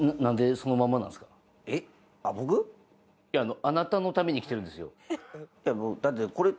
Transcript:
あなたのために来てるんですよ。